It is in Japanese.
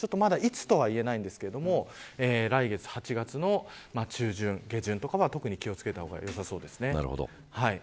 いつとは言えないんですが来月、８月の中旬下旬とかは気を付けた方がいいです。